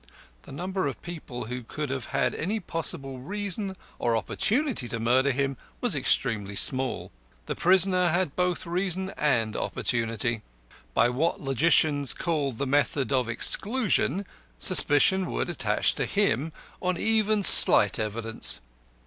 The number of people who could have had any possible reason or opportunity to murder him was extremely small. The prisoner had both reason and opportunity. By what logicians called the method of exclusion, suspicion would attach to him on even slight evidence.